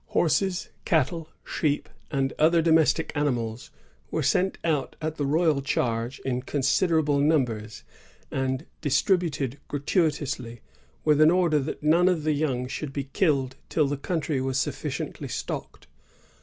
^ Horses, cattle, sheep, and other domestic animals were sent out at the royal charge in consider able numbers, and distributed gratuitously, with an order that none of the young should be killed till the countiy was sufficiently stocked.